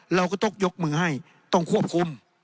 เราก็ต้องยกมือให้ต้องควบคุม